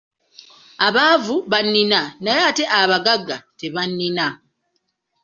Abaavu bannina naye ate abagagga tebannina.